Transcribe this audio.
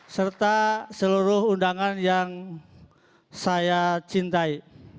serta seluruh undangan yang saya cintai